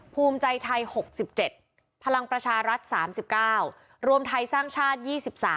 ภูมิใจไทย๖๗พลังประชารัฐ๓๙รวมไทยสร้างชาติ๒๓